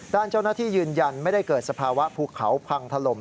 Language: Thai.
ด้านเจ้าหน้าที่ยืนยันไม่ได้เกิดสภาวะภูเขาพังถล่ม